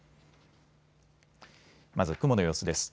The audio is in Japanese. まず雲の様子です。